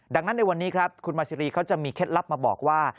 ดังนั้นในวันนี้ครับคุณมาซีรีเขาจะมีเคล็ดลับมาบอกว่า